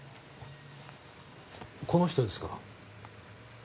この人ですか？